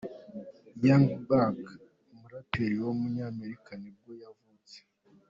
Young Buck, umuraperi w’umunyamerika nibwo yavutse.